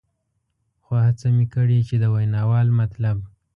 خو هڅه مې کړې چې د ویناوال مطلب.